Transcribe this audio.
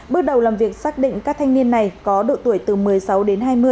bước đầu làm việc xác định các thanh niên này có độ tuổi từ một mươi sáu đến hai mươi